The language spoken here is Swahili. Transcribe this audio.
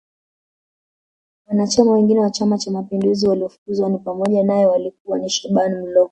Wanachama wengine wa chama cha mapinduzi waliofukuzwa ni pamoja nae walikuwa ni Shaban Mloo